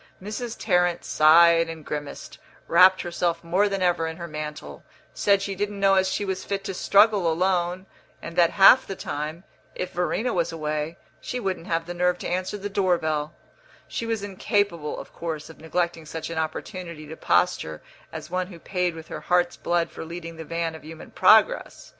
Mrs. Tarrant sighed and grimaced, wrapped herself more than ever in her mantle, said she didn't know as she was fit to struggle alone, and that, half the time, if Verena was away, she wouldn't have the nerve to answer the door bell; she was incapable, of course, of neglecting such an opportunity to posture as one who paid with her heart's blood for leading the van of human progress.